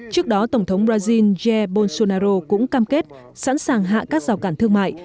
trước đó tổng thống brazil jair bolsonaro cũng cam kết sẵn sàng hạ các rào cản thương mại